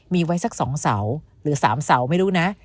มีไว้สัก๒เสาหรือ๓เสาไม่รู้นะ